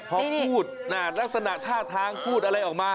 พอพูดนักศนาธาตุทางพูดอะไรออกมา